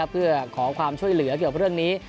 เพื่อขอความช่วยเหลือเกี่ยวกับเรื่องนี้